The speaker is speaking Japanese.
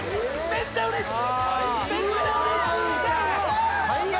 めっちゃうれしい！